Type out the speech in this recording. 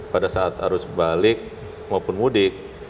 pada saat arus balik maupun mudik